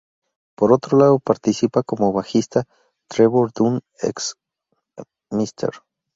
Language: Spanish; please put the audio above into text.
Por otro lado participa como bajista Trevor Dunn ex Mr.